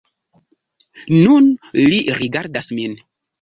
Nun li rigardas min!